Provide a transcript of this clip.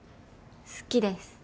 好きです。